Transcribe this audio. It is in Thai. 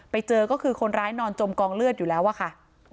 ไปเจอก็คือคนร้ายนอนจมกองเลือดอยู่แล้วอะค่ะ